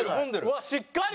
うわっしっかり！